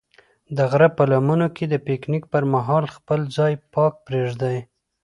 د غره په لمنو کې د پکنیک پر مهال خپل ځای پاک پرېږدئ.